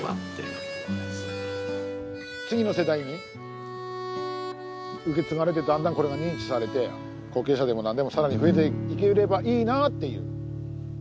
次の世代に受け継がれてだんだんこれが認知されて後継者でもなんでもさらに増えていければいいなっていう。